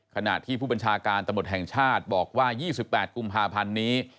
ขณะที่ผู้บัญชาการตำรวจแห่งชาติบอกว่า๒๘กุมภาพันธ์นี้